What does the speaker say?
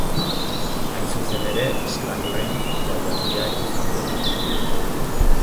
Hain zuzen ere, slackline jaialdia izango da.